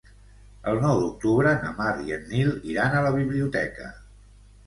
El nou d'octubre na Mar i en Nil iran a la biblioteca.